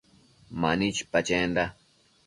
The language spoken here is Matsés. Mani chipa chenda